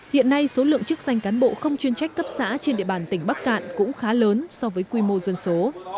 hiện nay số lượng chức danh cán bộ không chuyên trách cấp xã trên địa bàn tỉnh bắc cạn cũng khá lớn so với quy mô dân số